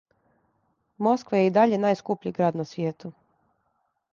Москва је и даље најскупљи град на свијету.